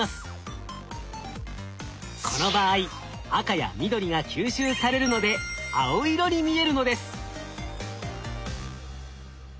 この場合赤や緑が吸収されるので青色に見えるのです。